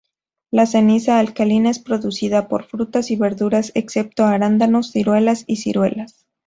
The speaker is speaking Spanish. La ceniza alcalina es producida por frutas y verduras, excepto arándanos, ciruelas y ciruelas.